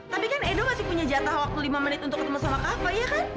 tapi kan edo masih punya jatah waktu lima menit untuk ketemu sama kakak ya kan